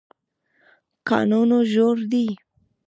کانونه ژور دي.